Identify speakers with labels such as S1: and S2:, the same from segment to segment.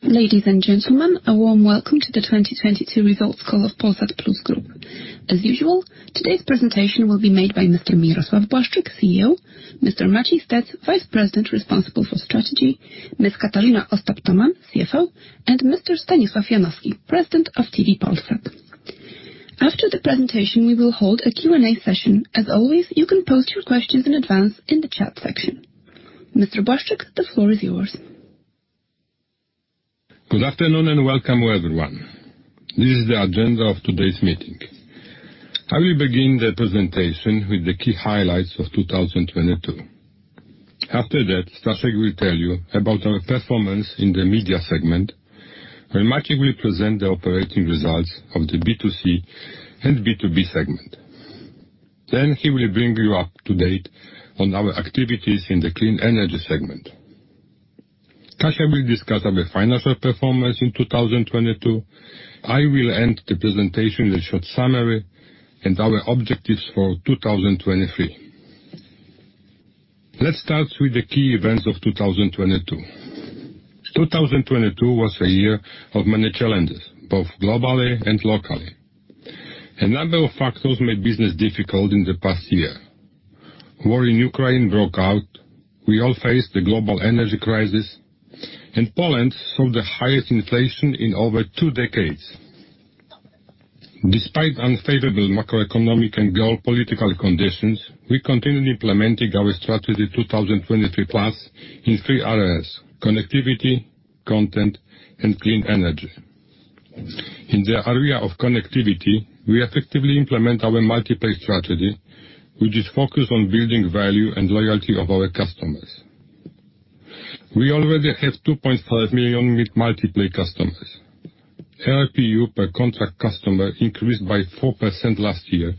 S1: Ladies and gentlemen, a warm welcome to the 2022 Results Call of Polsat Plus Group. As usual, today's presentation will be made by Mr. Mirosław Błaszczyk, CEO, Mr. Maciej Stec, Vice President responsible for strategy, Ms. Katarzyna Ostap-Tomann, CFO, and Mr. Stanisław Janowski, President of TV Polsat. After the presentation, we will hold a Q&A session. As always, you can post your questions in advance in the chat section. Mr. Błaszczyk, the floor is yours.
S2: Good afternoon and welcome, everyone. This is the agenda of today's meeting. I will begin the presentation with the key highlights of 2022. After that, Stanisław will tell you about our performance in the media segment, where Maciej will present the operating results of the B2C and B2B segment. He will bring you up to date on our activities in the clean energy segment. Katarzyna will discuss our financial performance in 2022. I will end the presentation with a short summary and our objectives for 2023. Let's start with the key events of 2022. 2022 was a year of many challenges, both globally and locally. A number of factors made business difficult in the past year. War in Ukraine broke out. We all faced the global energy crisis. Poland saw the highest inflation in over two decades. Despite unfavorable macroeconomic and geopolitical conditions, we continued implementing our strategy 2023+ in three areas: connectivity, content, and clean energy. In the area of connectivity, we effectively implement our multi-play strategy, which is focused on building value and loyalty of our customers. We already have 2.5 million multi-play customers. ARPU per contract customer increased by 4% last year,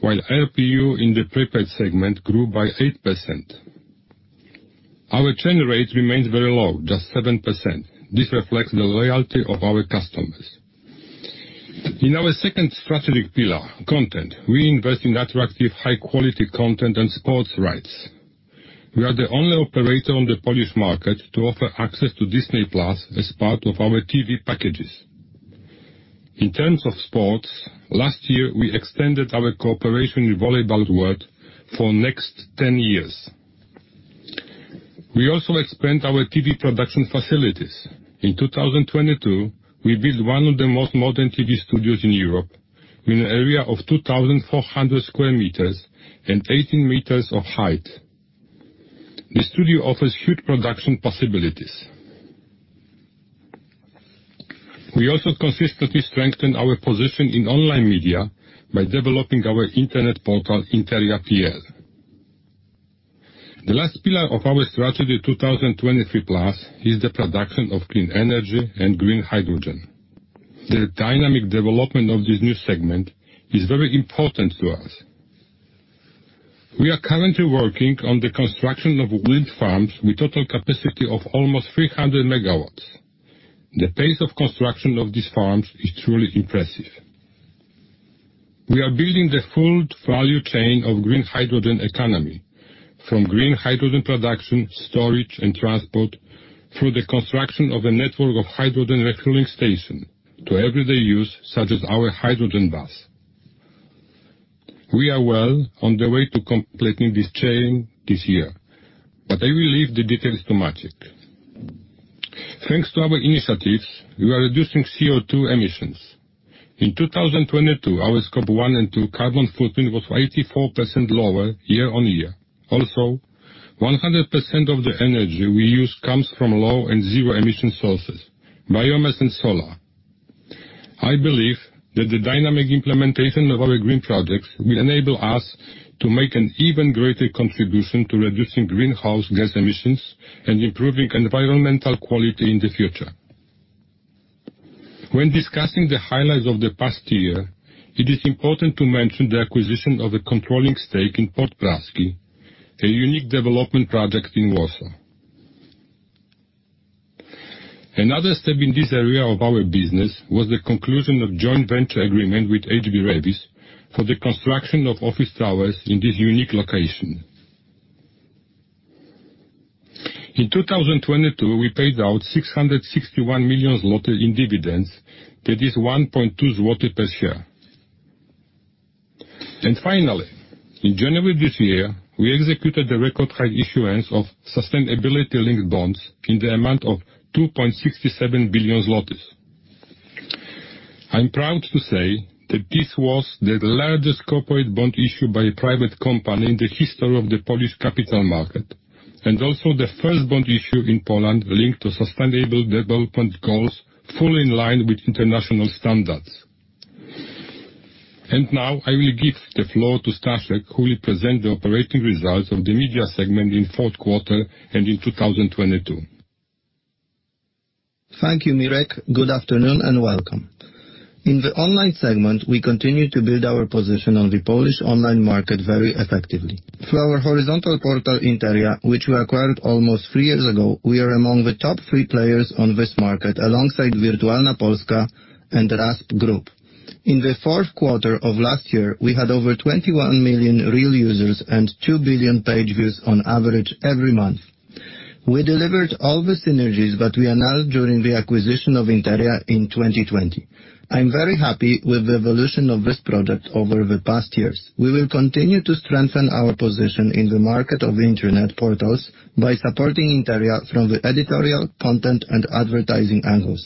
S2: while ARPU in the prepaid segment grew by 8%. Our churn rate remains very low, just 7%. This reflects the loyalty of our customers. In our second strategic pillar, content, we invest in attractive, high-quality content and sports rights. We are the only operator on the Polish market to offer access to Disney+ as part of our TV packages. In terms of sports, last year we extended our cooperation with Volleyball World for next 10 years. We also expand our TV production facilities. In 2022, we built one of the most modern TV studios in Europe with an area of 2,400 sq m and 18 meters of height. The studio offers huge production possibilities. We also consistently strengthen our position in online media by developing our internet portal, Interia PL. The last pillar of our strategy 2023+ is the production of clean energy and green hydrogen. The dynamic development of this new segment is very important to us. We are currently working on the construction of wind farms with total capacity of almost 300 MW. The pace of construction of these farms is truly impressive. We are building the full value chain of green hydrogen economy, from green hydrogen production, storage and transport, through the construction of a network of hydrogen refueling station to everyday use, such as our hydrogen bus. We are well on the way to completing this chain this year, but I will leave the details to Maciej. Thanks to our initiatives, we are reducing CO2 emissions. In 2022, our Scope 1 and 2 carbon footprint was 84% lower year-on-year. 100% of the energy we use comes from low and zero emission sources, biomass and solar. I believe that the dynamic implementation of our green projects will enable us to make an even greater contribution to reducing greenhouse gas emissions and improving environmental quality in the future. When discussing the highlights of the past year, it is important to mention the acquisition of a controlling stake in Port Praski, a unique development project in Warsaw. Another step in this area of our business was the conclusion of joint venture agreement with HB Reavis for the construction of office towers in this unique location. In 2022, we paid out 661 million zloty in dividends, that is 1.2 zloty per share. In January this year, we executed the record high issuance of sustainability-linked bonds in the amount of 2.67 billion zlotys. I'm proud to say that this was the largest corporate bond issue by a private company in the history of the Polish capital market, and also the first bond issue in Poland linked to sustainable development goals, fully in line with international standards. Now I will give the floor to Stanisław, who will present the operating results of the media segment in fourth quarter and in 2022.
S3: Thank you, Mirosław. Good afternoon and welcome. In the online segment, we continue to build our position on the Polish online market very effectively. Through our horizontal portal, Interia, which we acquired almost three years ago, we are among the top three players on this market, alongside Wirtualna Polska and RASP Group. In the fourth quarter of last year, we had over 21 million real users and 2 billion page views on average every month. We delivered all the synergies that we announced during the acquisition of Interia in 2020. I'm very happy with the evolution of this product over the past years. We will continue to strengthen our position in the market of the internet portals by supporting Interia from the editorial content and advertising angles.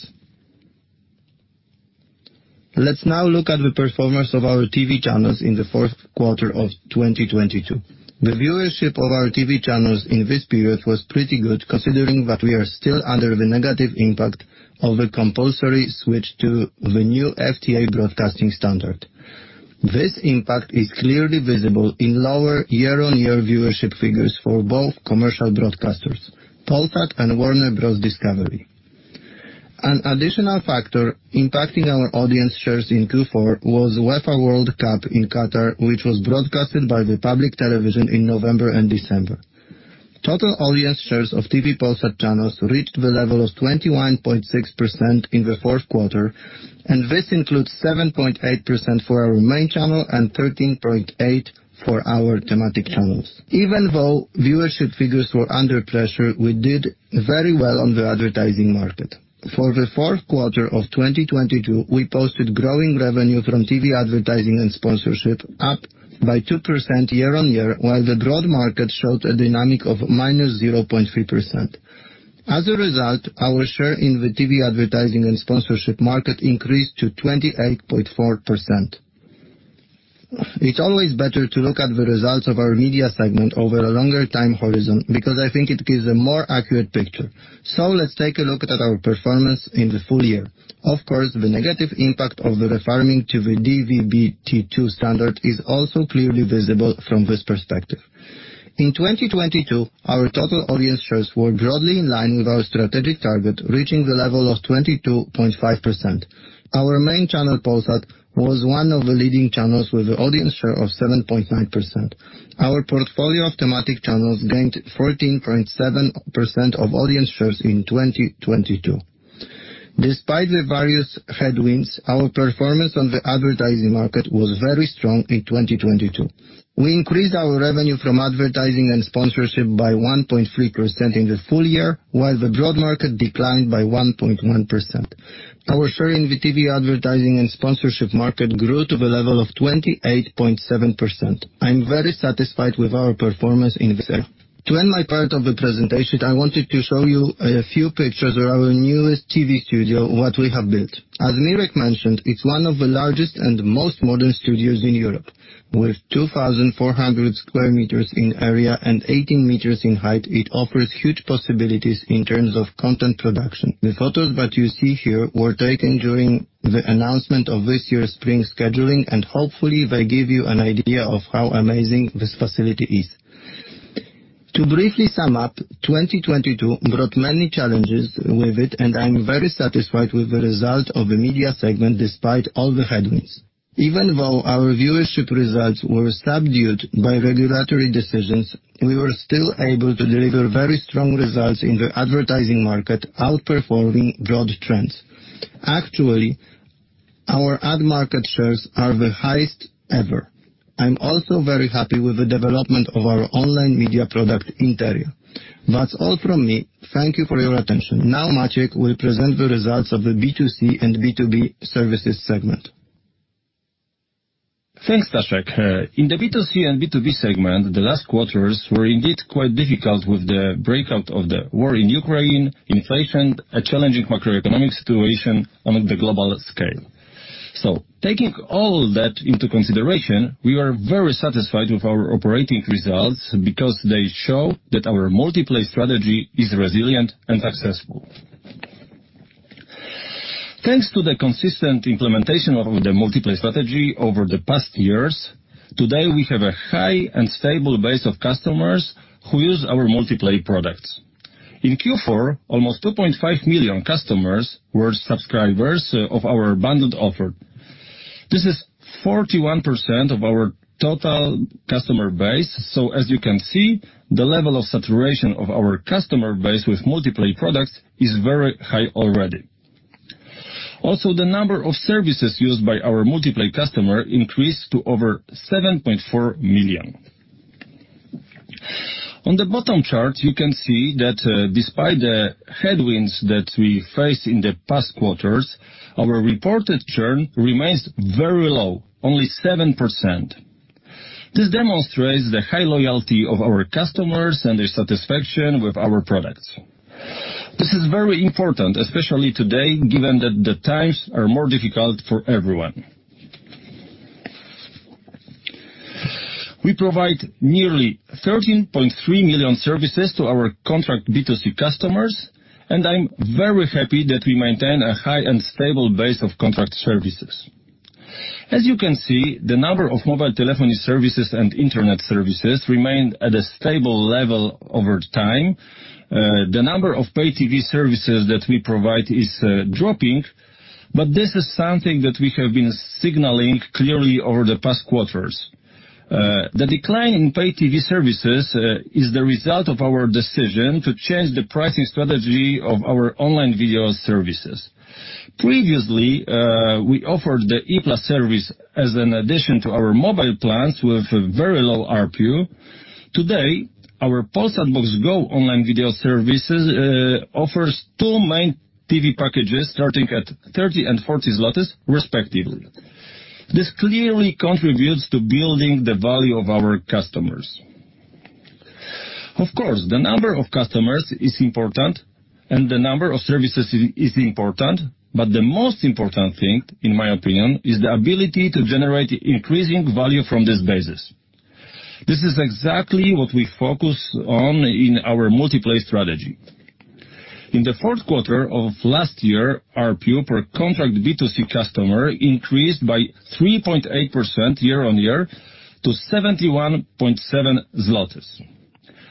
S3: Let's now look at the performance of our TV channels in the fourth quarter of 2022. The viewership of our TV channels in this period was pretty good, considering that we are still under the negative impact of the compulsory switch to the new FTA broadcasting standard. This impact is clearly visible in lower year-on-year viewership figures for both commercial broadcasters, Polsat and Warner Bros. Discovery. An additional factor impacting our audience shares in Q4 was UEFA World Cup in Qatar, which was broadcasted by the public television in November and December. Total audience shares of Telewizja Polsat channels reached the level of 21.6% in the fourth quarter, and this includes 7.8% for our main channel and 13.8% for our thematic channels. Even though viewership figures were under pressure, we did very well on the advertising market. For the fourth quarter of 2022, we posted growing revenue from TV advertising and sponsorship up by 2% year-on-year, while the broad market showed a dynamic of -0.3%. As a result, our share in the TV advertising and sponsorship market increased to 28.4%. It's always better to look at the results of our media segment over a longer time horizon because I think it gives a more accurate picture. Let's take a look at our performance in the full year. Of course, the negative impact of the refarming to the DVB-T2 standard is also clearly visible from this perspective. In 2022, our total audience shares were broadly in line with our strategic target, reaching the level of 22.5%. Our main channel, Polsat, was one of the leading channels with the audience share of 7.9%. Our portfolio of thematic channels gained 14.7% of audience shares in 2022. Despite the various headwinds, our performance on the advertising market was very strong in 2022. We increased our revenue from advertising and sponsorship by 1.3% in the full year, while the broad market declined by 1.1%. Our share in the TV advertising and sponsorship market grew to the level of 28.7%. I'm very satisfied with our performance in this area. To end my part of the presentation, I wanted to show you a few pictures of our newest TV studio, what we have built. As Mirosław mentioned, it's one of the largest and most modern studios in Europe. With 2,400 sq m in area and 18 meters in height, it offers huge possibilities in terms of content production. The photos that you see here were taken during the announcement of this year's spring scheduling, hopefully they give you an idea of how amazing this facility is. To briefly sum up, 2022 brought many challenges with it, I'm very satisfied with the result of the media segment despite all the headwinds. Even though our viewership results were subdued by regulatory decisions, we were still able to deliver very strong results in the advertising market, outperforming broad trends. Actually, our ad market shares are the highest ever. I'm also very happy with the development of our online media product, Interia. That's all from me. Thank you for your attention. Now, Maciej will present the results of the B2C and B2B services segment.
S4: Thanks, Stanisław. In the B2C and B2B segment, the last quarters were indeed quite difficult with the breakout of the war in Ukraine, inflation, a challenging macroeconomic situation on the global scale. Taking all that into consideration, we are very satisfied with our operating results because they show that our multi-play strategy is resilient and successful. Thanks to the consistent implementation of the multi-play strategy over the past years, today, we have a high and stable base of customers who use our multi-play products. In Q4, almost 2.5 million customers were subscribers of our bundled offer. This is 41% of our total customer base. As you can see, the level of saturation of our customer base with multi-play products is very high already. Also, the number of services used by our multi-play customer increased to over 7.4 million. On the bottom chart, you can see that, despite the headwinds that we faced in the past quarters, our reported churn remains very low, only 7%. This demonstrates the high loyalty of our customers and their satisfaction with our products. This is very important, especially today, given that the times are more difficult for everyone. We provide nearly 13.3 million services to our contract B2C customers, and I'm very happy that we maintain a high and stable base of contract services. As you can see, the number of mobile telephony services and internet services remained at a stable level over time. The number of pay TV services that we provide is dropping, but this is something that we have been signaling clearly over the past quarters. The decline in pay TV services is the result of our decision to change the pricing strategy of our online video services. Previously, we offered the ePlus service as an addition to our mobile plans with a very low ARPU. Today, our Polsat Box Go online video services offers two main TV packages, starting at 30 and 40 zlotys respectively. This clearly contributes to building the value of our customers. Of course, the number of customers is important, and the number of services is important, but the most important thing, in my opinion, is the ability to generate increasing value from this basis. This is exactly what we focus on in our multi-play strategy. In the fourth quarter of last year, ARPU per contract B2C customer increased by 3.8% year-on-year to 71.7 zlotys.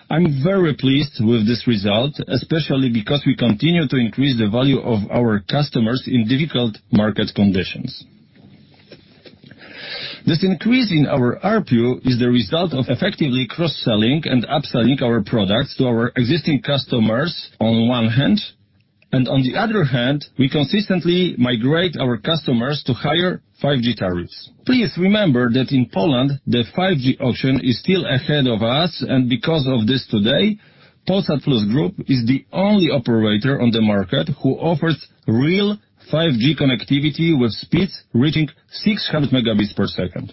S4: I'm very pleased with this result, especially because we continue to increase the value of our customers in difficult market conditions. This increase in our ARPU is the result of effectively cross-selling and upselling our products to our existing customers on one hand, and on the other hand, we consistently migrate our customers to higher 5G tariffs. Please remember that in Poland, the 5G auction is still ahead of us. Because of this today, Polsat Plus Group is the only operator on the market who offers real 5G connectivity with speeds reaching 600 megabits per second.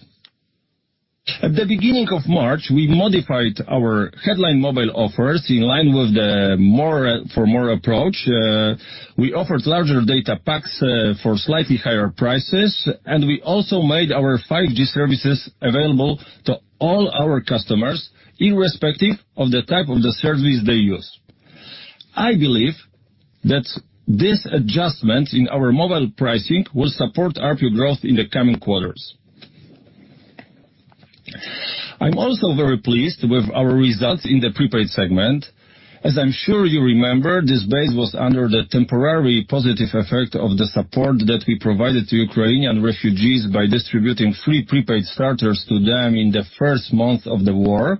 S4: At the beginning of March, we modified our headline mobile offers in line with the more, for more approach. We offered larger data packs, for slightly higher prices, and we also made our 5G services available to all our customers, irrespective of the type of the service they use. I believe that this adjustment in our mobile pricing will support ARPU growth in the coming quarters. I'm also very pleased with our results in the prepaid segment. As I'm sure you remember, this base was under the temporary positive effect of the support that we provided to Ukrainian refugees by distributing free prepaid starters to them in the first month of the war.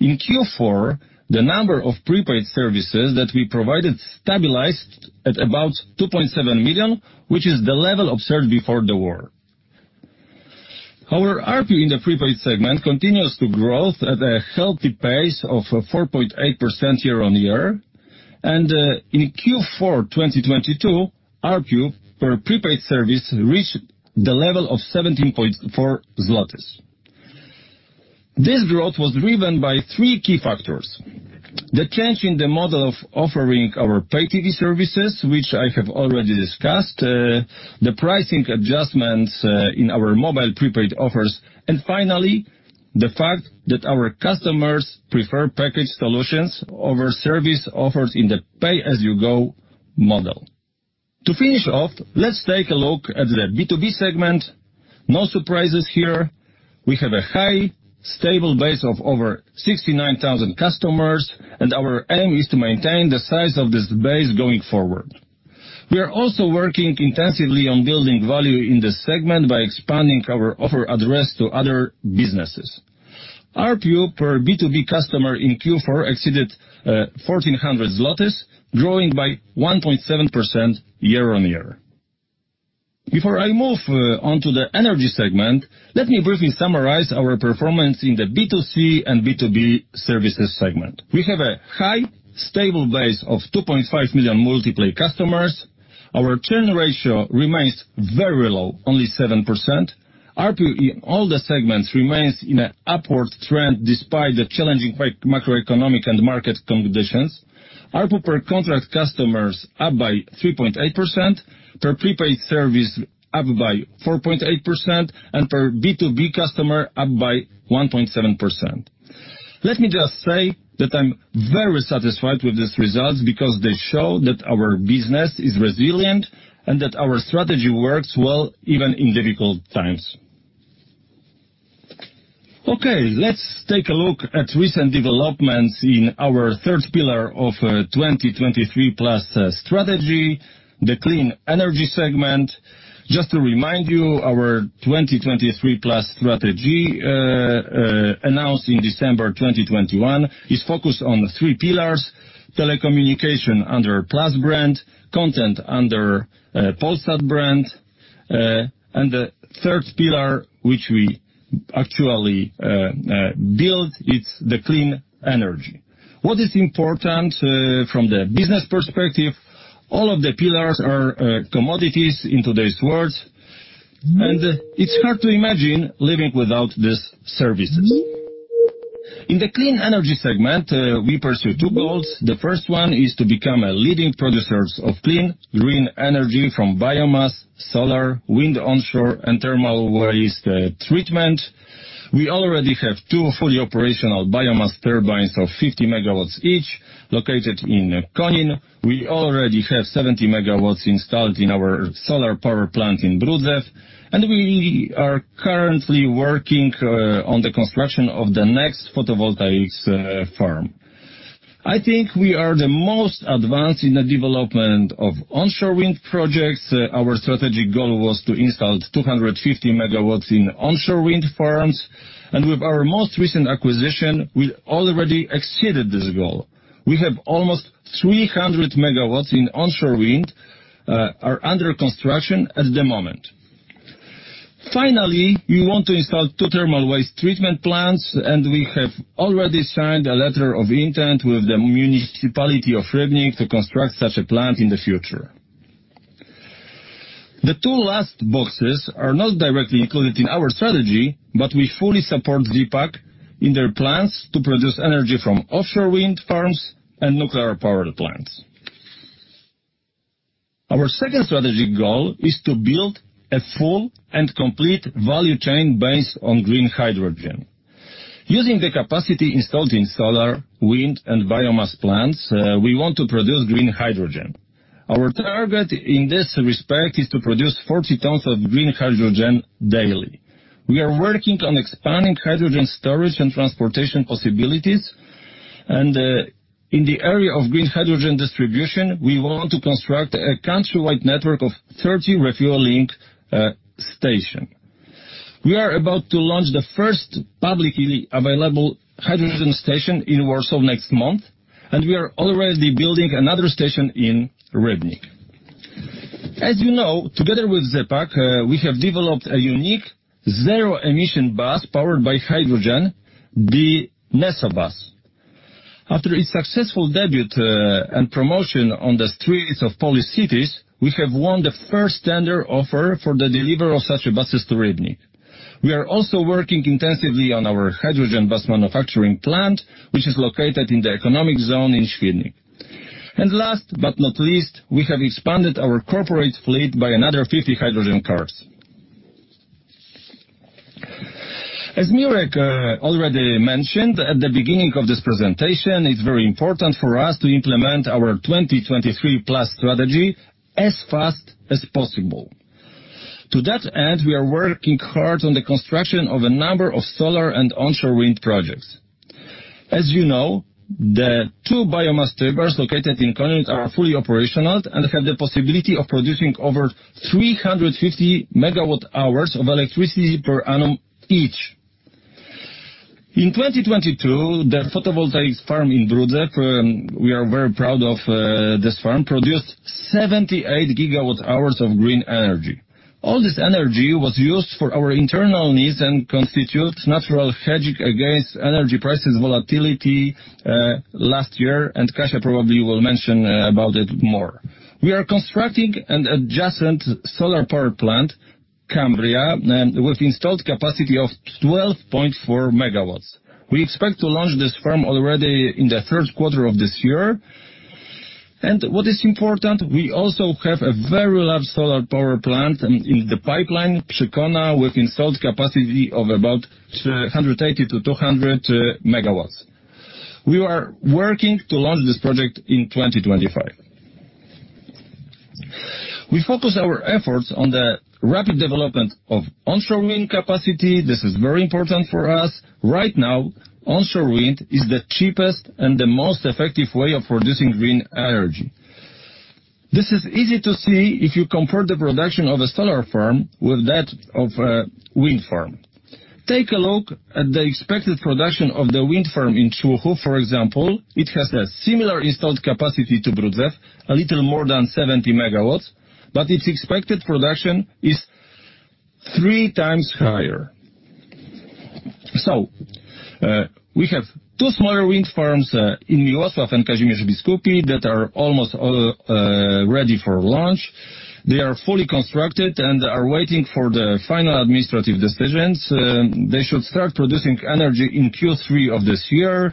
S4: In Q4, the number of prepaid services that we provided stabilized at about 2.7 million, which is the level observed before the war. Our ARPU in the prepaid segment continues to growth at a healthy pace of 4.8% year-on-year, and, in Q4, 2022, ARPU per prepaid service reached the level of 17.4 zlotys. This growth was driven by three key factors: the change in the model of offering our pay TV services, which I have already discussed, the pricing adjustments in our mobile prepaid offers, and finally, the fact that our customers prefer package solutions over service offers in the pay-as-you-go model. To finish off, let's take a look at the B2B segment. No surprises here. We have a high, stable base of over 69,000 customers, and our aim is to maintain the size of this base going forward. We are also working intensively on building value in this segment by expanding our offer address to other businesses. ARPU per B2B customer in Q4 exceeded 1,400 zlotys, growing by 1.7% year-on-year. Before I move on to the energy segment, let me briefly summarize our performance in the B2C and B2B services segment. We have a high, stable base of 2.5 million multi-play customers. Our churn ratio remains very low, only 7%. ARPU in all the segments remains in a upward trend despite the challenging macroeconomic and market conditions. ARPU per contract customers up by 3.8%, per prepaid service up by 4.8%, and per B2B customer up by 1.7%. Let me just say that I'm very satisfied with these results because they show that our business is resilient and that our strategy works well even in difficult times. Okay. Let's take a look at recent developments in our third pillar of 2023+ strategy, the clean energy segment. Just to remind you, our 2023+ strategy, announced in December 2021, is focused on three pillars: telecommunication under Plus brand, content under Polsat brand, and the third pillar, which we actually build, it's the clean energy. What is important from the business perspective, all of the pillars are commodities in today's world. It's hard to imagine living without these services. In the clean energy segment, we pursue two goals. The first one is to become a leading producers of clean, green energy from biomass, solar, wind onshore, and thermal waste treatment. We already have two fully operational biomass turbines of 50 MW each located in Konin. We already have 70 MW installed in our solar power plant in Brudzew. We are currently working on the construction of the next photovoltaics farm. I think we are the most advanced in the development of onshore wind projects. Our strategic goal was to install 250 MW in onshore wind farms, and with our most recent acquisition, we already exceeded this goal. We have almost 300 MW in onshore wind are under construction at the moment. Finally, we want to install two thermal waste treatment plants, and we have already signed a letter of intent with the Municipality of Rybnik to construct such a plant in the future. The two last boxes are not directly included in our strategy. We fully support ZE PAK in their plans to produce energy from offshore wind farms and nuclear power plants. Our second strategic goal is to build a full and complete value chain based on green hydrogen. Using the capacity installed in solar, wind, and biomass plants, we want to produce green hydrogen. Our target in this respect is to produce 40 tons of green hydrogen daily. We are working on expanding hydrogen storage and transportation possibilities, and, in the area of green hydrogen distribution, we want to construct a country-wide network of 30 refueling station. We are about to launch the first publicly available hydrogen station in Warsaw next month, and we are already building another station in Rybnik. As you know, together with ZE PAK, we have developed a unique zero-emission bus powered by hydrogen, the NesoBus. After its successful debut, and promotion on the streets of Polish cities, we have won the first tender offer for the deliver of such a buses to Rybnik. We are also working intensively on our hydrogen bus manufacturing plant, which is located in the economic zone in Świdnik. Last but not least, we have expanded our corporate fleet by another 50 hydrogen cars. As Mirosław already mentioned at the beginning of this presentation, it's very important for us to implement our 2023+ strategy as fast as possible. To that end, we are working hard on the construction of a number of solar and onshore wind projects. As you know, the two biomass turbines located in Konin are fully operational and have the possibility of producing over 350 MWh of electricity per annum each. In 2022, the photovoltaic farm in Brudzew, we are very proud of this farm, produced 78 GWh of green energy. All this energy was used for our internal needs and constitutes natural hedging against energy prices volatility last year. Katarzyna probably will mention about it more. We are constructing an adjacent solar power plant, Cambria, with installed capacity of 12.4 MW. We expect to launch this farm already in the third quarter of this year. What is important, we also have a very large solar power plant in the pipeline, Przykona, with installed capacity of about 280 to 200 MW. We are working to launch this project in 2025. We focus our efforts on the rapid development of onshore wind capacity. This is very important for us. Right now, onshore wind is the cheapest and the most effective way of producing green energy. This is easy to see if you compare the production of a solar farm with that of a wind farm. Take a look at the expected production of the wind farm in Człuchów, for example. It has a similar installed capacity to Brudzew, a little more than 70 MW, but its expected production is three times higher. We have two smaller wind farms in Miłosław and Kazimierz Biskupi, that are almost all ready for launch. They are fully constructed and are waiting for the final administrative decisions. They should start producing energy in Q3 of this year.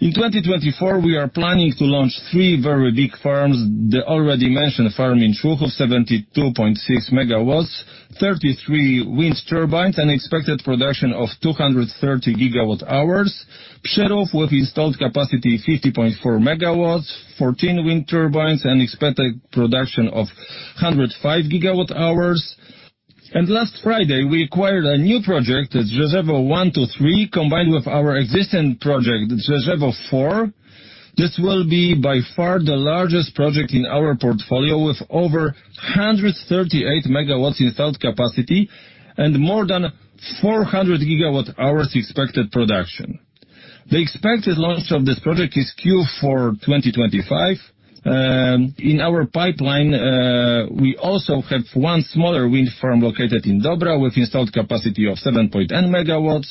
S4: In 2024, we are planning to launch three very big farms. The already mentioned farm in Człuchów, 72.6 MW, 33 wind turbines, and expected production of 230. Przyrów with installed capacity 50.4 MW, 14 wind turbines, and expected production of 105 GWh. Last Friday, we acquired a new project, Drzeżewo I, II, III combined with our existing project, Drzeżewo IV. This will be by far the largest project in our portfolio with over 138 MW installed capacity and more than 400 GWh expected production. The expected launch of this project is Q4 2025. In our pipeline, we also have one smaller wind farm located in Dobra with installed capacity of seven point end MW,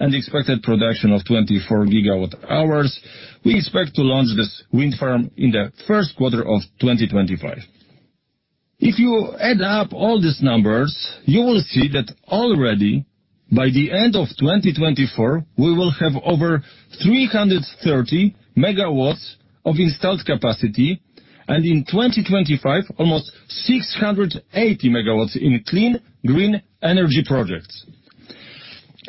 S4: and expected production of 24 GWh. We expect to launch this wind farm in the first quarter of 2025. If you add up all these numbers, you will see that already, by the end of 2024, we will have over 330 MW of installed capacity, and in 2025, almost 680 MW in clean, green energy projects.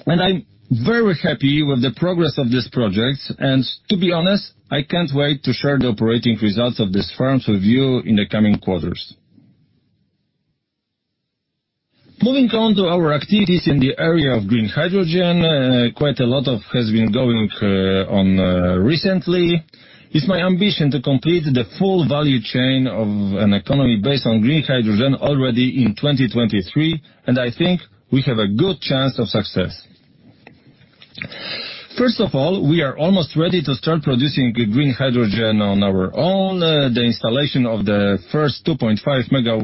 S4: I'm very happy with the progress of these projects and to be honest, I can't wait to share the operating results of these farms with you in the coming quarters. Moving on to our activities in the area of green hydrogen, quite a lot of has been going on recently. It's my ambition to complete the full value chain of an economy based on green hydrogen already in 2023, and I think we have a good chance of success. First of all, we are almost ready to start producing green hydrogen on our own. The installation of the first 2.5 MW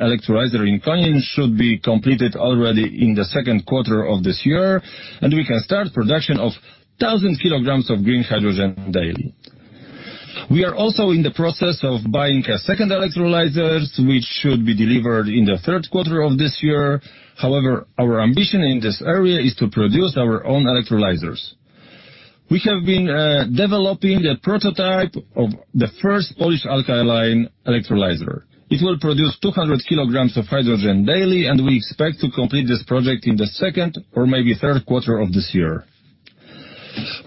S4: electrolyzer in Konin should be completed already in the second quarter of this year. We can start production of 1,000 kg of green hydrogen daily. We are also in the process of buying a second electrolyzers, which should be delivered in the third quarter of this year. However, our ambition in this area is to produce our own electrolyzers. We have been developing the prototype of the first Polish alkaline electrolyzer. It will produce 200 kg of hydrogen daily. We expect to complete this project in the second or maybe third quarter of this year.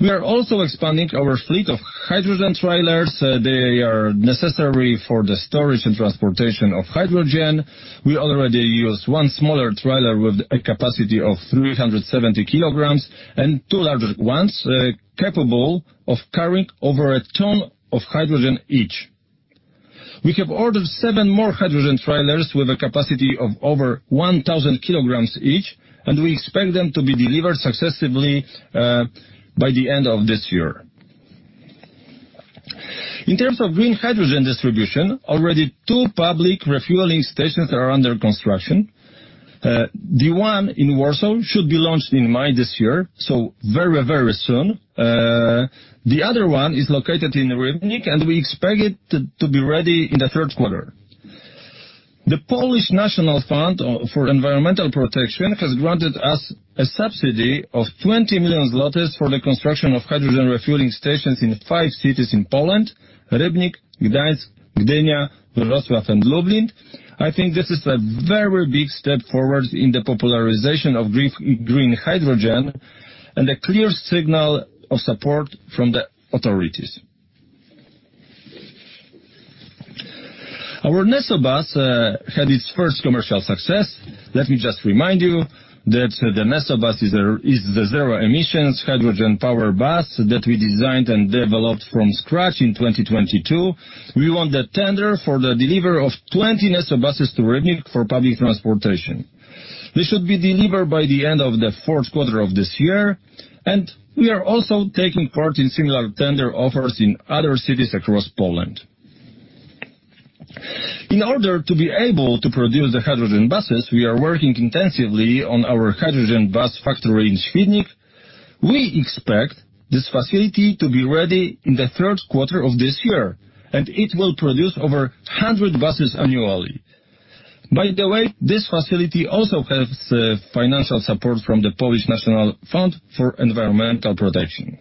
S4: We are also expanding our fleet of hydrogen trailers. They are necessary for the storage and transportation of hydrogen. We already use one smaller trailer with a capacity of 370 kg and two larger ones, capable of carrying over 1 ton of hydrogen each. We have ordered seven more hydrogen trailers with a capacity of over 1,000 kg each. We expect them to be delivered successively by the end of this year. In terms of green hydrogen distribution, already two public refueling stations are under construction. The one in Warsaw should be launched in May this year, so very, very soon. The other one is located in Rybnik, and we expect it to be ready in the third quarter. The Polish National Fund for Environmental Protection has granted us a subsidy of 20 million zlotys for the construction of hydrogen refueling stations in five cities in Poland, Rybnik, Gdańsk, Gdynia, Wrocław, and Lublin. I think this is a very big step forward in the popularization of green hydrogen and a clear signal of support from the authorities. Our NesoBus had its first commercial success. Let me just remind you that the NesoBus is the zero emissions hydrogen-powered bus that we designed and developed from scratch in 2022. We won the tender for the delivery of 20 NesoBuses to Rybnik for public transportation. They should be delivered by the end of the fourth quarter of this year. We are also taking part in similar tender offers in other cities across Poland. In order to be able to produce the hydrogen buses, we are working intensively on our hydrogen bus factory in Świdnik. We expect this facility to be ready in the third quarter of this year, and it will produce over 100 buses annually. By the way, this facility also has financial support from the Polish National Fund for Environmental Protection.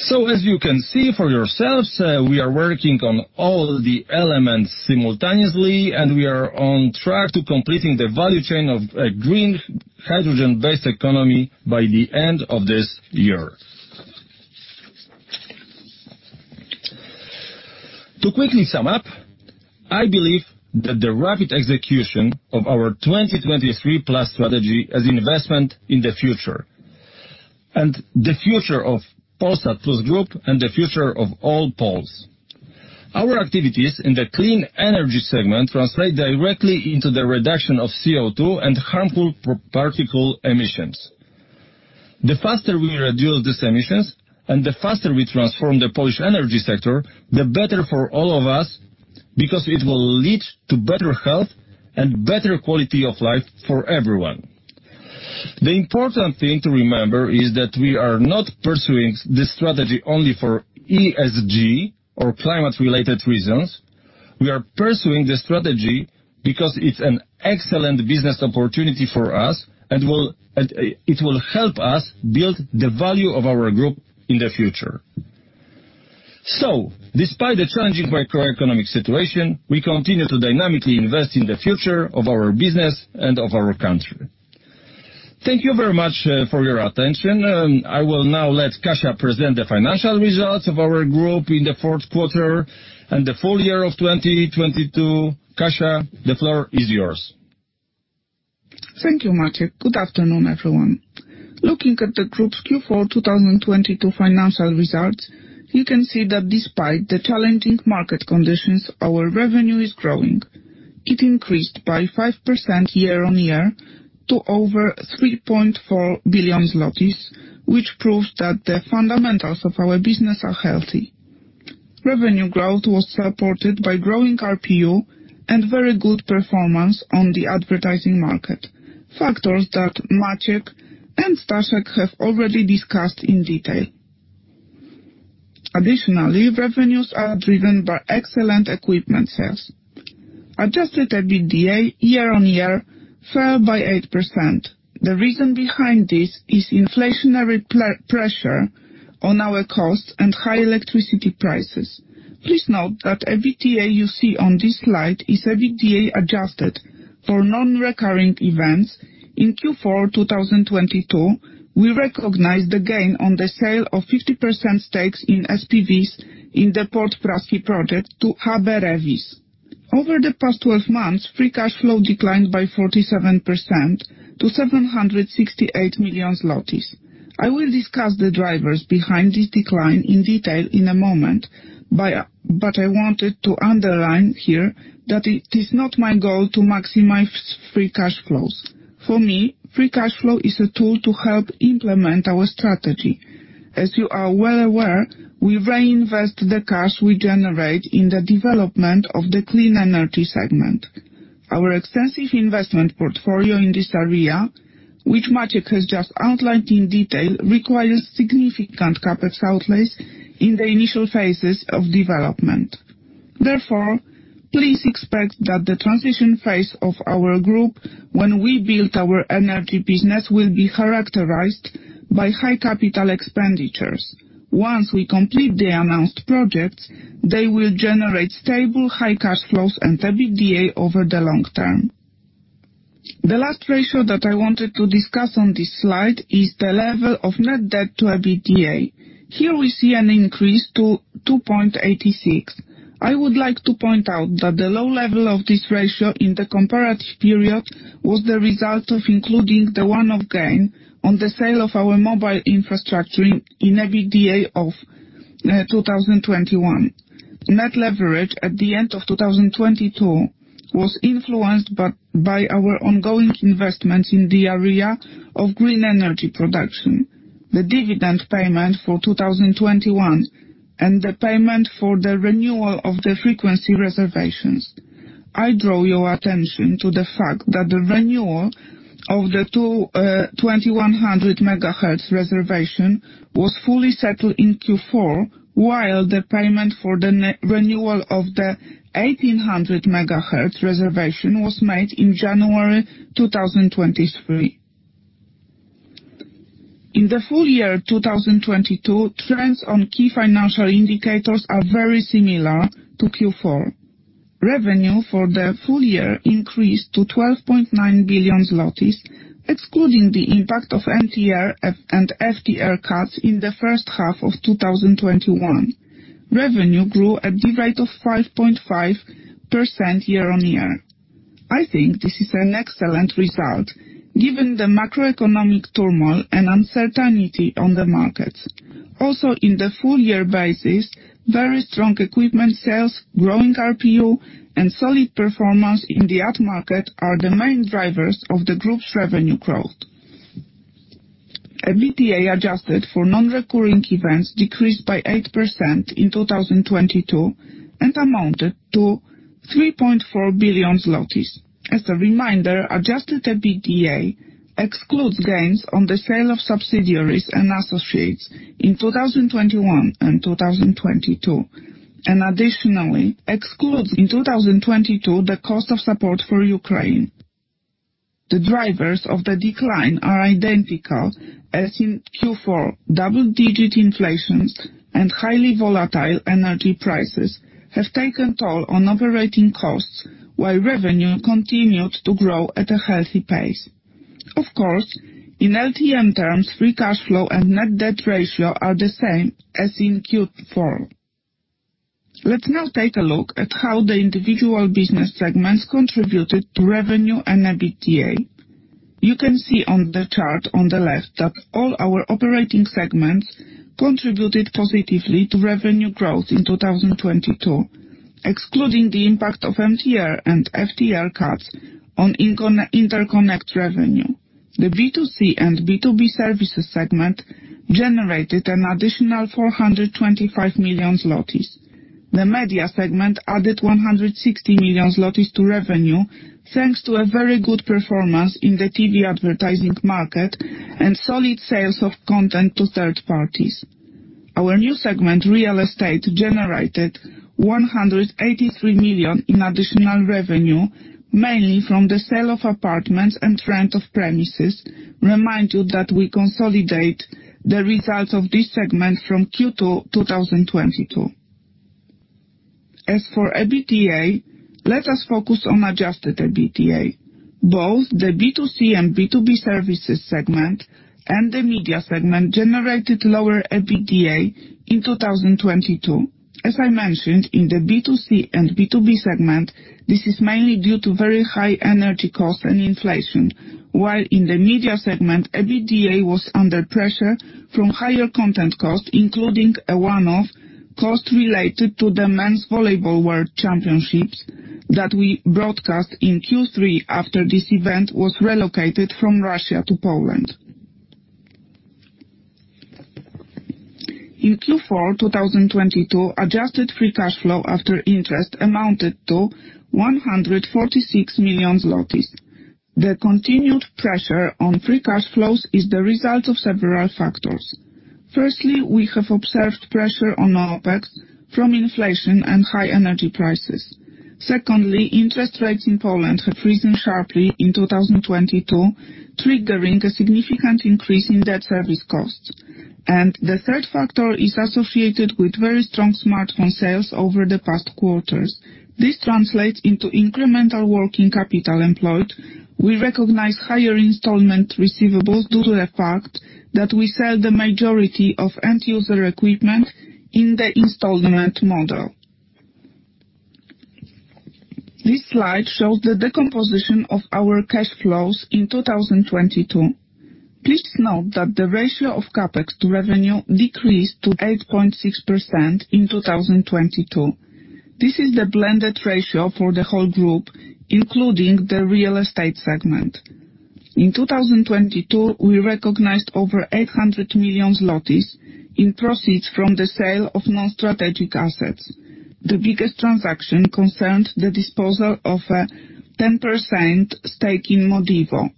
S4: As you can see for yourselves, we are working on all the elements simultaneously, and we are on track to completing the value chain of a green hydrogen-based economy by the end of this year. To quickly sum up, I believe that the rapid execution of our 2023+ strategy is investment in the future, and the future of Polsat Plus Group and the future of all Poles. Our activities in the clean energy segment translate directly into the reduction of CO2 and harmful particle emissions. The faster we reduce these emissions and the faster we transform the Polish energy sector, the better for all of us, because it will lead to better health and better quality of life for everyone. The important thing to remember is that we are not pursuing this strategy only for ESG or climate-related reasons. We are pursuing this strategy because it's an excellent business opportunity for us and It will help us build the value of our group in the future. Despite the challenging macroeconomic situation, we continue to dynamically invest in the future of our business and of our country. Thank you very much for your attention. I will now let Katarzyna present the financial results of our group in the fourth quarter and the full year of 2022. Katarzyna, the floor is yours.
S5: Thank you, Maciej. Good afternoon, everyone. Looking at the group's Q4 2022 financial results, you can see that despite the challenging market conditions, our revenue is growing. It increased by 5% year-on-year to over 3.4 billion zlotys, which proves that the fundamentals of our business are healthy. Revenue growth was supported by growing RPU and very good performance on the advertising market, factors that Maciej and Stanisław have already discussed in detail. Revenues are driven by excellent equipment sales. Adjusted EBITDA year-on-year fell by 8%. The reason behind this is inflationary pressure on our costs and high electricity prices. Please note that EBITDA you see on this slide is EBITDA adjusted for non-recurring events. In Q4 2022, we recognized the gain on the sale of 50% stakes in SPVs in the Port Praski project to HB Reavis. Over the past 12 months, free cash flow declined by 47% to 768 million. I will discuss the drivers behind this decline in detail in a moment. I wanted to underline here that it is not my goal to maximize free cash flows. For me, free cash flow is a tool to help implement our strategy. As you are well aware, we reinvest the cash we generate in the development of the clean energy segment. Our extensive investment portfolio in this area, which Maciej has just outlined in detail, requires significant CapEx outlets in the initial phases of development. Therefore, please expect that the transition phase of our group, when we build our energy business, will be characterized by high capital expenditures. Once we complete the announced projects, they will generate stable, high cash flows and EBITDA over the long term. The last ratio that I wanted to discuss on this slide is the level of net debt to EBITDA. Here we see an increase to 2.86. I would like to point out that the low level of this ratio in the comparative period was the result of including the one-off gain on the sale of our mobile infrastructure in EBITDA of 2021. Net leverage at the end of 2022 was influenced by our ongoing investments in the area of green energy production, the dividend payment for 2021, and the payment for the renewal of the frequency reservations. I draw your attention to the fact that the renewal of the 2100 MHz reservation was fully settled in Q4, while the payment for the. Renewal of the 1800 MHz reservation was made in January 2023. In the full year 2022, trends on key financial indicators are very similar to Q4. Revenue for the full year increased to 12.9 billion zlotys, excluding the impact of MTR and FTR cuts in the first half of 2021. Revenue grew at the rate of 5.5% year-on-year. I think this is an excellent result given the macroeconomic turmoil and uncertainty on the markets. In the full year basis, very strong equipment sales, growing RPU, and solid performance in the upmarket are the main drivers of the group's revenue growth. EBITDA adjusted for non-recurring events decreased by 8% in 2022 and amounted to 3.4 billion zlotys. As a reminder, adjusted EBITDA excludes gains on the sale of subsidiaries and associates in 2021 and 2022, and additionally excludes in 2022 the cost of support for Ukraine. The drivers of the decline are identical as in Q4. Double-digit inflations and highly volatile energy prices have taken toll on operating costs while revenue continued to grow at a healthy pace. Of course, in LTM terms, free cash flow and net debt ratio are the same as in Q4. Let's now take a look at how the individual business segments contributed to revenue and EBITDA. You can see on the chart on the left that all our operating segments contributed positively to revenue growth in 2022, excluding the impact of MTR and FTR cuts on interconnect revenue. The B2C and B2B services segment generated an additional 425 million zlotys. The media segment added 160 million zlotys to revenue, thanks to a very good performance in the TV advertising market and solid sales of content to third parties. Our new segment, real estate, generated 183 million in additional revenue, mainly from the sale of apartments and rent of premises. Remind you that we consolidate the results of this segment from Q2 2022. As for EBITDA, let us focus on adjusted EBITDA. Both the B2C and B2B services segment and the media segment generated lower EBITDA in 2022. As I mentioned, in the B2C and B2B segment, this is mainly due to very high energy costs and inflation. While in the media segment, EBITDA was under pressure from higher content costs, including a one-off cost related to the Men's Volleyball World Championships that we broadcast in Q3 after this event was relocated from Russia to Poland. In Q4 2022, adjusted free cash flow after interest amounted to 146 million zlotys. The continued pressure on free cash flows is the result of several factors. Firstly, we have observed pressure on OpEx from inflation and high energy prices. Secondly, interest rates in Poland have risen sharply in 2022, triggering a significant increase in debt service costs. The third factor is associated with very strong smartphone sales over the past quarters. This translates into incremental working capital employed. We recognize higher installment receivables due to the fact that we sell the majority of end user equipment in the installment model. This slide shows the decomposition of our cash flows in 2022. Please note that the ratio of CapEx to revenue decreased to 8.6% in 2022. This is the blended ratio for the whole group, including the real estate segment. In 2022, we recognized over 800 million in proceeds from the sale of non-strategic assets. The biggest transaction concerned the disposal of a 10% stake in Modivo.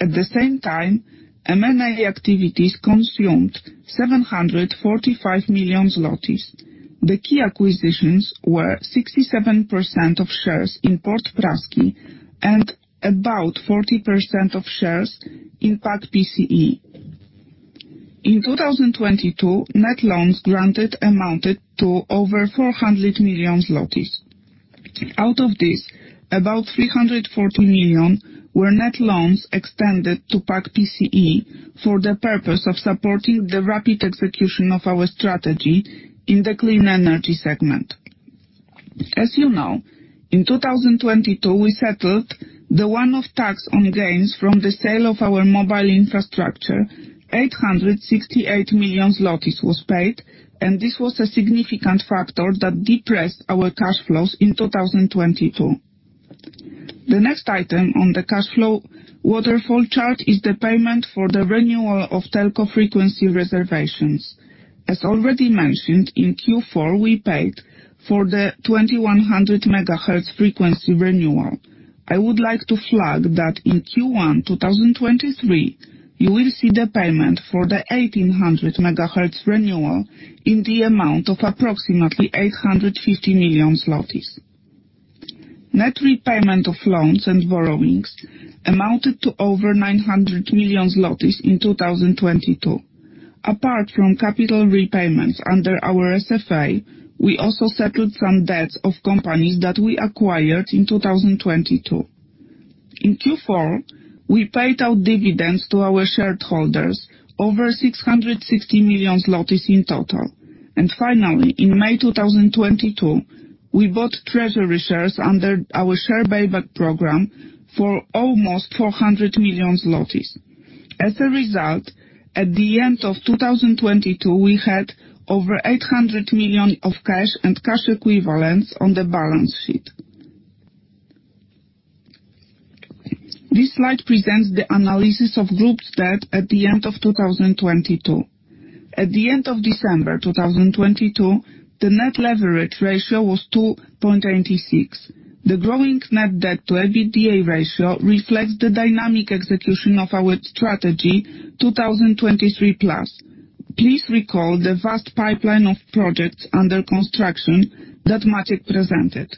S5: At the same time, M&A activities consumed 745 million zlotys. The key acquisitions were 67% of shares in Port Praski and about 40% of shares in PAK-PCE. In 2022, net loans granted amounted to over 400 million. Out of this, about 340 million were net loans extended to PAK-PCE for the purpose of supporting the rapid execution of our strategy in the clean energy segment. As you know, in 2022, we settled the one-off tax on gains from the sale of our mobile infrastructure. 868 million zlotys was paid, and this was a significant factor that depressed our cash flows in 2022. The next item on the cash flow waterfall chart is the payment for the renewal of telco frequency reservations. As already mentioned, in Q4, we paid for the 2100 MHz frequency renewal. I would like to flag that in Q1 2023, you will see the payment for the 1800 MHz renewal in the amount of approximately 850 million zlotys. Net repayment of loans and borrowings amounted to over 900 million zlotys in 2022. Apart from capital repayments under our SFA, we also settled some debts of companies that we acquired in 2022. In Q4, we paid out dividends to our shareholders over 660 million in total. Finally, in May 2022, we bought treasury shares under our share buyback program for almost 400 million. As a result, at the end of 2022, we had over 800 million of cash and cash equivalents on the balance sheet. This slide presents the analysis of Group's debt at the end of 2022. At the end of December 2022, the net leverage ratio was 2.86. The growing net debt to EBITDA ratio reflects the dynamic execution of our strategy, 2023+. Please recall the vast pipeline of projects under construction that Maciej presented.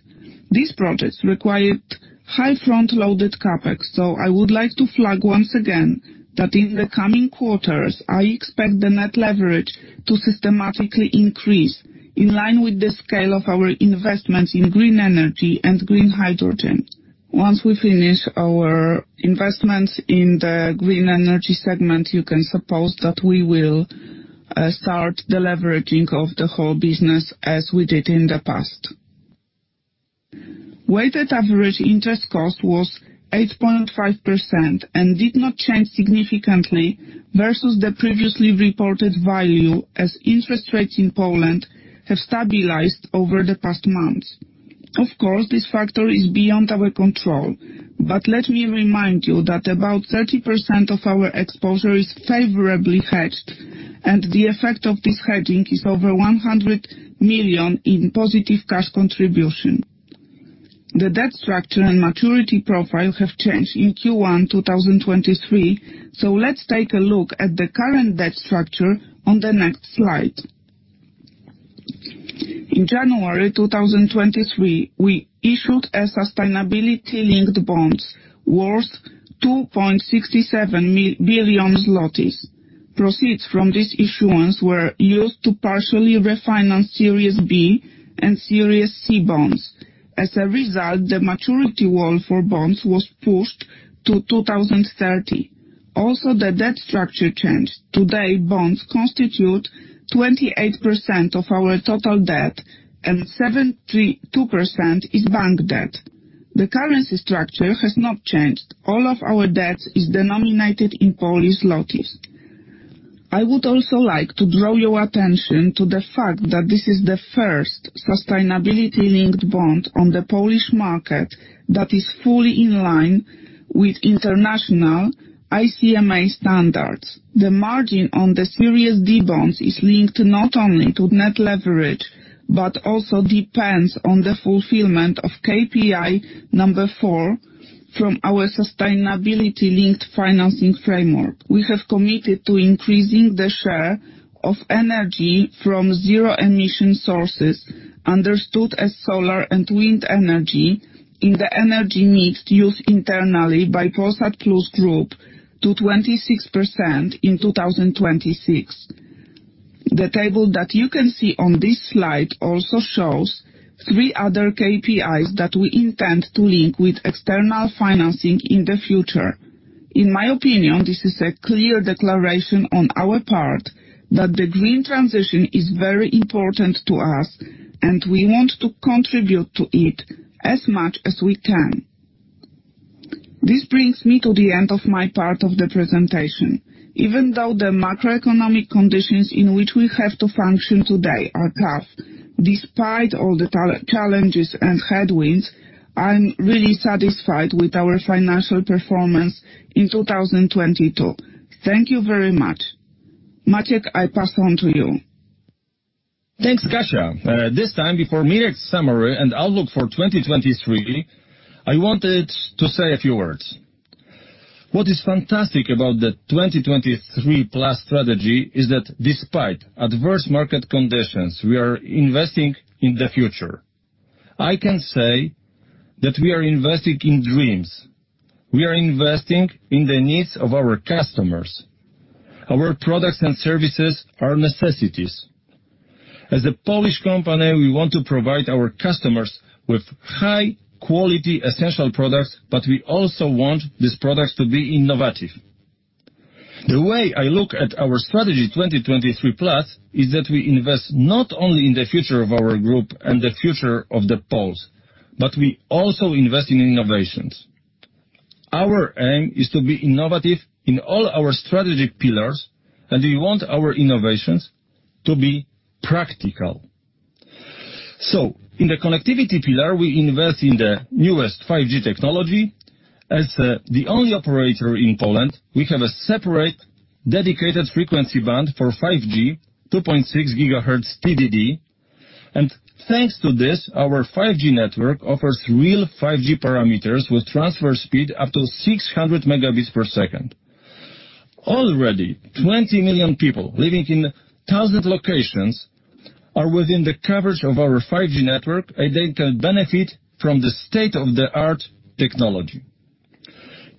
S5: These projects required high front-loaded CapEx. I would like to flag once again that in the coming quarters, I expect the net leverage to systematically increase in line with the scale of our investments in green energy and green hydrogen. Once we finish our investments in the green energy segment, you can suppose that we will start the leveraging of the whole business as we did in the past. Weighted average interest cost was 8.5% and did not change significantly versus the previously reported value, as interest rates in Poland have stabilized over the past months. Of course, this factor is beyond our control, but let me remind you that about 30% of our exposure is favorably hedged, and the effect of this hedging is over 100 million in positive cash contribution. The debt structure and maturity profile have changed in Q1 2023. Let's take a look at the current debt structure on the next slide. In January 2023, we issued a sustainability-linked bonds worth 2.67 billion zlotys. Proceeds from this issuance were used to partially refinance Series B and Series C Bonds. As a result, the maturity wall for bonds was pushed to 2030. The debt structure changed. Today, bonds constitute 28% of our total debt, and 72% is bank debt. The currency structure has not changed. All of our debts is denominated in Polish zlotys. I would also like to draw your attention to the fact that this is the first sustainability-linked bond on the Polish market that is fully in line with international ICMA standards. The margin on the Series D Bonds is linked not only to net leverage, but also depends on the fulfillment of KPI number four from our sustainability-linked financing framework. We have committed to increasing the share of energy from zero emission sources, understood as solar and wind energy in the energy mix used internally by Polsat Plus Group to 26% in 2026. The table that you can see on this slide also shows three other KPIs that we intend to link with external financing in the future. In my opinion, this is a clear declaration on our part that the green transition is very important to us, and we want to contribute to it as much as we can. This brings me to the end of my part of the presentation. Even though the macroeconomic conditions in which we have to function today are tough, despite all the challenges and headwinds, I'm really satisfied with our financial performance in 2022. Thank you very much. Maciej, I pass on to you.
S4: Thanks, Katarzyna. This time, before Mirosław's summary and outlook for 2023, I wanted to say a few words. What is fantastic about the 2023+ strategy is that despite adverse market conditions, we are investing in the future. I can say that we are investing in dreams. We are investing in the needs of our customers. Our products and services are necessities. As a Polish company, we want to provide our customers with high-quality essential products, but we also want these products to be innovative. The way I look at our strategy, 2023+, is that we invest not only in the future of our group and the future of the Poles, but we also invest in innovations. Our aim is to be innovative in all our strategic pillars, and we want our innovations to be practical. In the connectivity pillar, we invest in the newest 5G technology. As the only operator in Poland, we have a separate dedicated frequency band for 5G, 2.6 GHz TDD, and thanks to this, our 5G network offers real 5G parameters with transfer speed up to 600 megabits per second. Already, 20 million people living in 1,000 locations are within the coverage of our 5G network, and they can benefit from the state-of-the-art technology.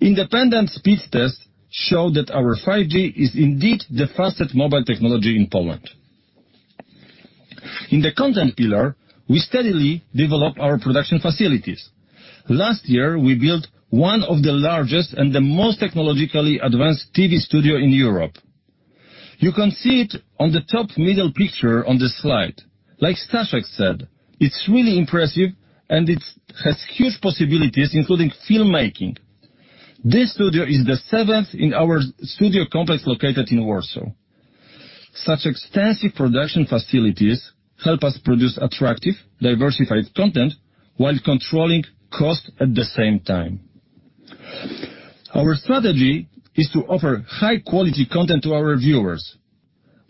S4: Independent speed tests show that our 5G is indeed the fastest mobile technology in Poland. In the content pillar, we steadily develop our production facilities. Last year, we built one of the largest and the most technologically advanced TV studio in Europe. You can see it on the top middle picture on this slide. Like Stanisław said, it's really impressive, and it has huge possibilities, including filmmaking. This studio is the seventh in our studio complex located in Warsaw. Such extensive production facilities help us produce attractive, diversified content while controlling costs at the same time. Our strategy is to offer high-quality content to our viewers.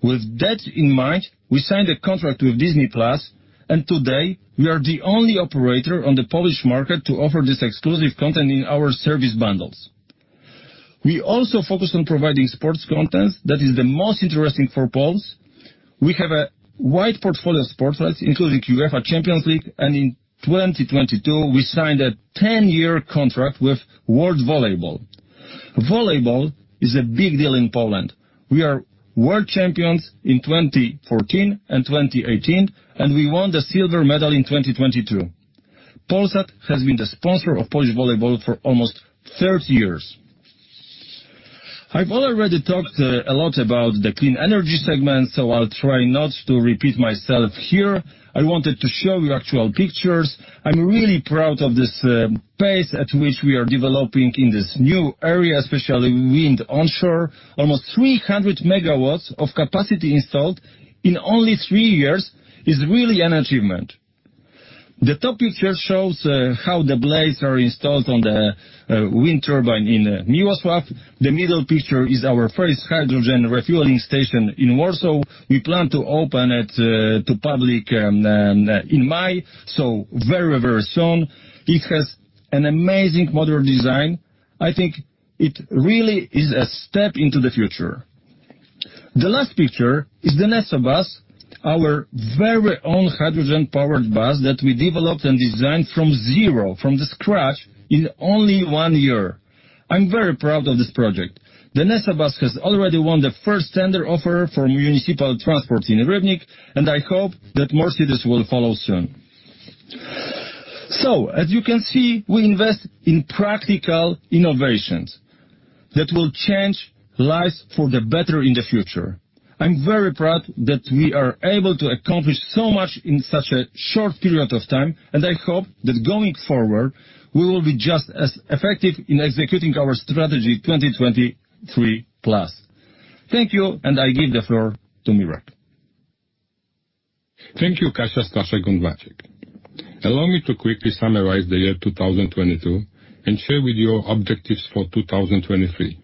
S4: With that in mind, we signed a contract with Disney+, and today we are the only operator on the Polish market to offer this exclusive content in our service bundles. We also focus on providing sports content that is the most interesting for Poles. We have a wide portfolio of sports rights, including UEFA Champions League, and in 2022 we signed a 10 years contract with Volleyball World. Volleyball is a big deal in Poland. We are world champions in 2014 and 2018, and we won the silver medal in 2022. Polsat has been the sponsor of Polish volleyball for almost 30 years. I've already talked a lot about the clean energy segment, so I'll try not to repeat myself here. I wanted to show you actual pictures. I'm really proud of this pace at which we are developing in this new area, especially wind onshore. Almost 300 MW of capacity installed in only three years is really an achievement. The top picture shows how the blades are installed on the wind turbine in Miłosław. The middle picture is our first hydrogen refueling station in Warsaw. We plan to open it to public in May, so very, very soon. It has an amazing modern design. I think it really is a step into the future. The last picture is the NesoBus, our very own hydrogen-powered bus that we developed and designed from zero, from the scratch, in only one year. I'm very proud of this project. The NesoBus has already won the first tender offer from municipal transport in Rybnik, and I hope that more cities will follow soon. As you can see, we invest in practical innovations that will change lives for the better in the future. I'm very proud that we are able to accomplish so much in such a short period of time, and I hope that going forward, we will be just as effective in executing our strategy, 2023+. Thank you, and I give the floor to Mirosław.
S2: Thank you, Katarzyna, Stanisław, and Maciej. Allow me to quickly summarize the year 2022 and share with you objectives for 2023.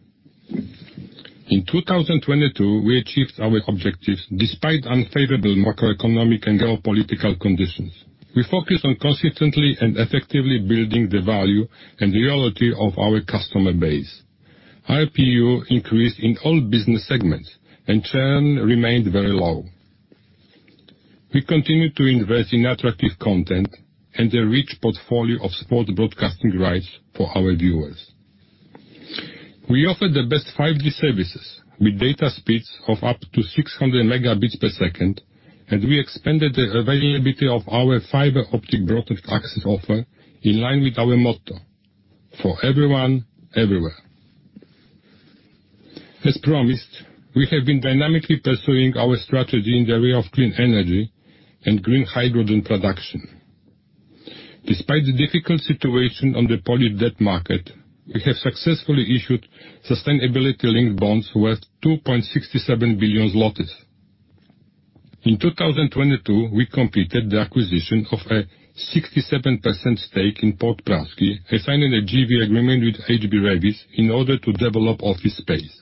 S2: In 2022, we achieved our objectives despite unfavorable macroeconomic and geopolitical conditions. We focused on consistently and effectively building the value and loyalty of our customer base. ARPU increased in all business segments and churn remained very low. We continued to invest in attractive content and a rich portfolio of sports broadcasting rights for our viewers. We offer the best 5G services with data speeds of up to 600 Mbps, and we expanded the availability of our fiber optic broadband access offer in line with our motto, "For everyone, everywhere." As promised, we have been dynamically pursuing our strategy in the area of clean energy and green hydrogen production. Despite the difficult situation on the Polsat debt market, we have successfully issued sustainability-linked bonds worth 2.67 billion zlotys. In 2022, we completed the acquisition of a 67% stake in Port Praski, assigning a JV agreement with HB Reavis in order to develop office space.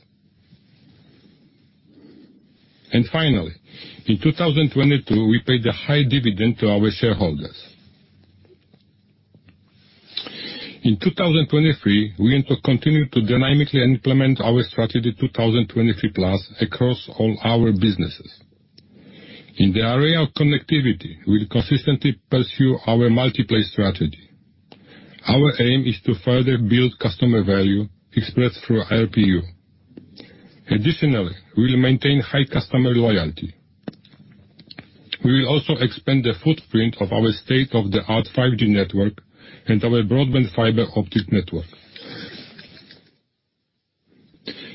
S2: Finally, in 2022, we paid a high dividend to our shareholders. In 2023, we aim to continue to dynamically implement our strategy 2023+ across all our businesses. In the area of connectivity, we'll consistently pursue our multi-play strategy. Our aim is to further build customer value expressed through ARPU. Additionally, we'll maintain high customer loyalty. We will also expand the footprint of our state-of-the-art 5G network and our broadband fiber optic network.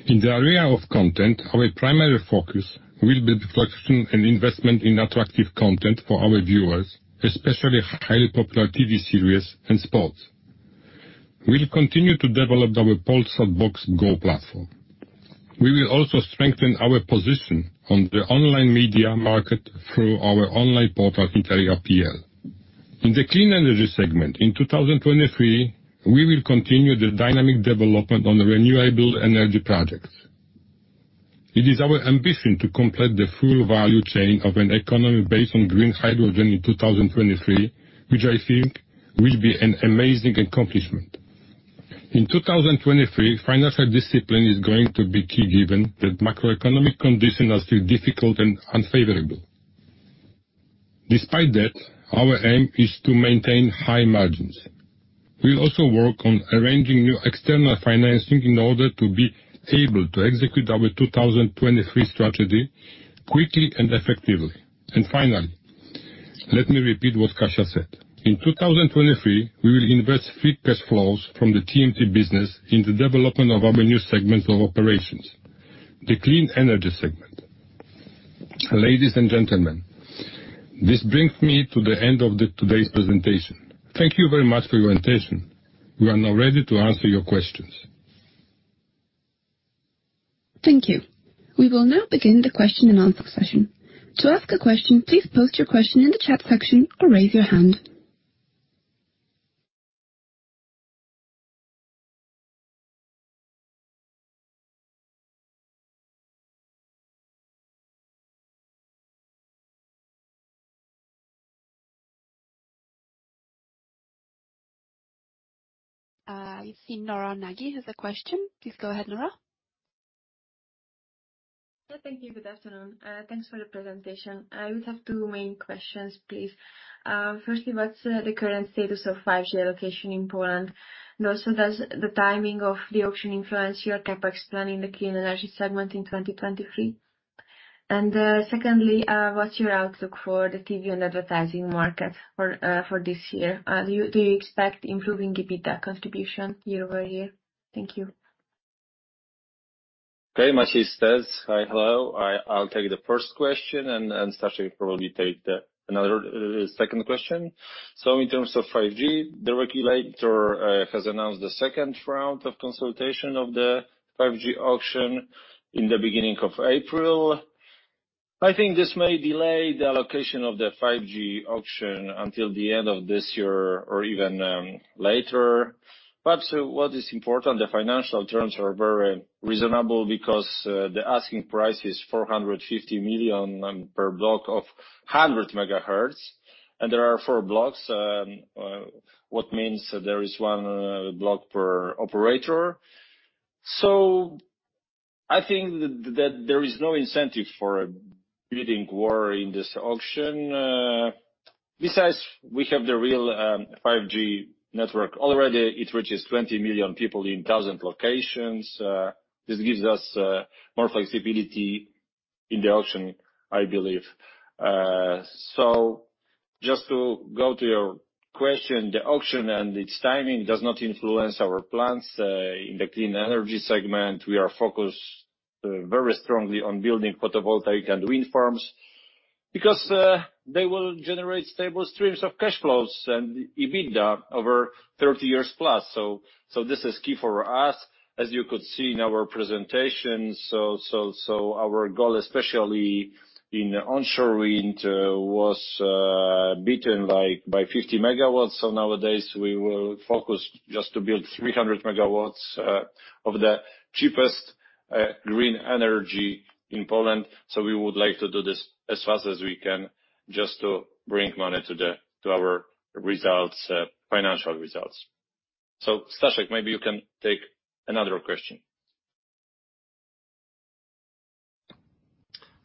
S2: In the area of content, our primary focus will be production and investment in attractive content for our viewers, especially highly popular TV series and sports. We'll continue to develop our Polsat Box Go platform. We will also strengthen our position on the online media market through our online portal, Interia.pl. In the clean energy segment in 2023, we will continue the dynamic development on the renewable energy projects. It is our ambition to complete the full value chain of an economy based on green hydrogen in 2023, which I think will be an amazing accomplishment. In 2023, financial discipline is going to be key, given that macroeconomic conditions are still difficult and unfavorable. Despite that, our aim is to maintain high margins. We'll also work on arranging new external financing in order to be able to execute our 2023 strategy quickly and effectively. Finally, let me repeat what Katarzyna said. In 2023, we will invest free cash flows from the TMT business in the development of our new segment of operations, the clean energy segment. Ladies and gentlemen, this brings me to the end of today's presentation. Thank you very much for your attention. We are now ready to answer your questions.
S1: Thank you. We will now begin the question-and-answer session. To ask a question, please post your question in the chat section or raise your hand. I see Nora Nagy has a question. Please go ahead, Nora.
S6: Yeah, thank you. Good afternoon. Thanks for the presentation. I would have two main questions, please. Firstly, what's the current status of 5G allocation in Poland? Does the timing of the auction influence your CapEx plan in the clean energy segment in 2023? Secondly, what's your outlook for the TV and advertising market for this year? Do you expect improving the EBITDA contribution year-over-year? Thank you.
S2: Okay. Maciej Stec. Hi. Hello. I'll take the first question and Stanisław will probably take the another second question. In terms of 5G, the regulator has announced the second round of consultation of the 5G auction in the beginning of April. I think this may delay the allocation of the 5G auction until the end of this year or even later. What is important, the financial terms are very reasonable because the asking price is 450 million per block of 100 megahertz, and there are 4 blocks. What means there is 1 block per operator. I think that there is no incentive for a bidding war in this auction. Besides, we have the real 5G network already. It reaches 20 million people in 1,000 locations. This gives us more flexibility in the auction, I believe. Just to go to your question, the auction and its timing does not influence our plans in the clean energy segment. We are focused very strongly on building photovoltaic and wind farms because they will generate stable streams of cash flows and EBITDA over 30 years plus. This is key for us, as you could see in our presentation. Our goal, especially in onshore wind, was beaten by 50 MW. Nowadays, we will focus just to build 300 MW of the cheapest green energy in Poland. We would like to do this as fast as we can just to bring money to our results, financial results. Stanisław, maybe you can take another question.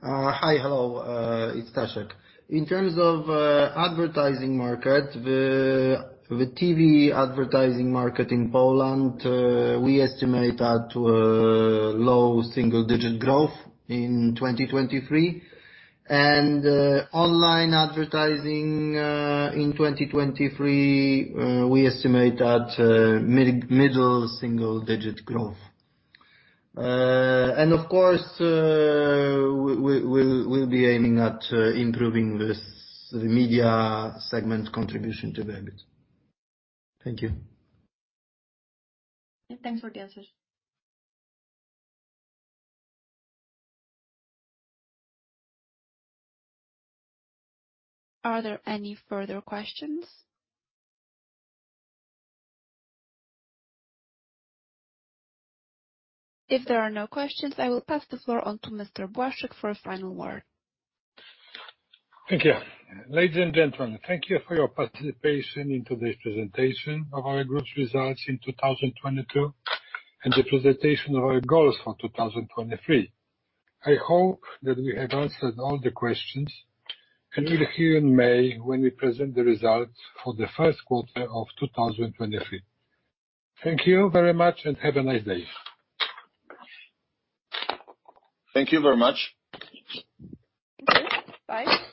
S3: Hi. Hello, it's Stanisław Janowski. In terms of advertising market, the TV advertising market in Poland, we estimate at low single digit growth in 2023. Online advertising in 2023, we estimate at mid-single digit growth. And of course, we will be aiming at improving this media segment contribution to the EBIT. Thank you.
S6: Yeah, thanks for the answers.
S1: Are there any further questions? If there are no questions, I will pass the floor on to Mr. Błaszczyk for a final word.
S2: Thank you. Ladies and gentlemen, thank you for your participation in today's presentation of our group's results in 2022, and the presentation of our goals for 2023. I hope that we have answered all the questions, and we'll hear you in May when we present the results for the first quarter of 2023. Thank you very much and have a nice day.
S3: Thank you very much.
S1: Thank you. Bye.
S3: Bye.